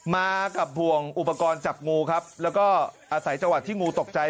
มากับห่วงอุปกรณ์จับงูครับแล้วก็อาศัยจังหวัดที่งูตกใจ